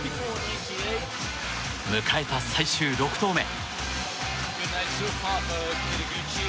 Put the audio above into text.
迎えた最終６投目。